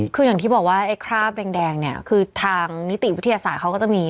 คืออย่างที่บอกว่าไอ้คราบแดงเนี่ยคือทางนิติวิทยาศาสตร์เขาก็จะมี